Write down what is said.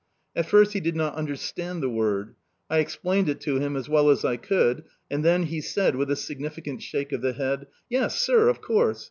At first he did not understand the word. I explained it to him as well as I could, and then he said, with a significant shake of the head: "Yes, sir, of course!